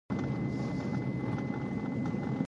د زېرمو ساتنه يې کوله.